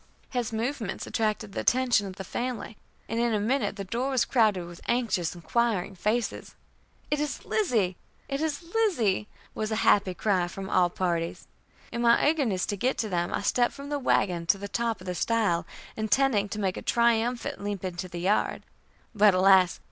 His movements attracted the attention of the family, and in a minute the door was crowded with anxious, inquiring faces. "It is Lizzie! It is Lizzie!" was the happy cry from all parties. In my eagerness to get to them, I stepped from the wagon to the top of the stile, intending to make a triumphant leap into the yard; but, alas!